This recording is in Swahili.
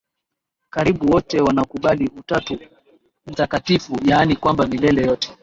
Karibu wote wanakubali Utatu Mtakatifu yaani kwamba milele yote